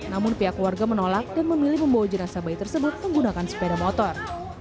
namun pihak keluarga menolak dan memilih membawa jenazah bayi tersebut menggunakan sepeda motor